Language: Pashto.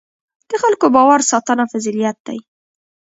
د خلکو باور ساتنه فضیلت دی.